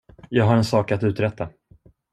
Jag har en sak att uträtta.